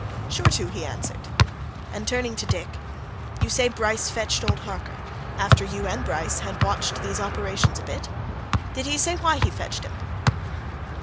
"Sure to!" he answered, and turned to Dick. "You say Bryce fetched old Harker after you and Bryce had watched these operations a bit? Did he say why he fetched him?"